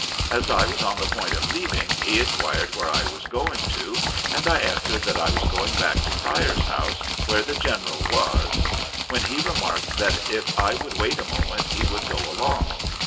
As I was on the point of leaving, he inquired where I was going to, and I answered that I was going back to Pryor's house, where the general was, when he remarked that if I would wait a moment he would go along.